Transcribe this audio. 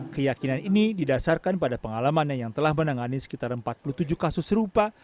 keyakinan ini didasarkan pada pengalamannya yang telah menangani sekitar empat puluh tujuh kasus serupa